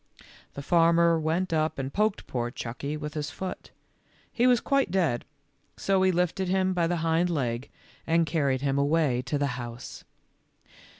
The farmer went up and poked poor Chucky with his foot. He was quite dead, so he lifted him by the hind leg and carried him away to the house.